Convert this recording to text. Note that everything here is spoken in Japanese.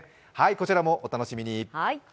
こちらもお楽しみに。